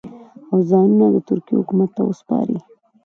او ځانونه د ترکیې حکومت ته وسپاري.